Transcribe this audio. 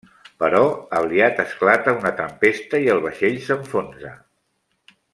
Però aviat esclata una tempesta i el vaixell s'enfonsa.